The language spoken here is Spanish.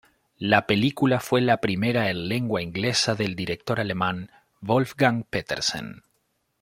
La película fue la primera el lengua inglesa del director alemán Wolfgang Petersen.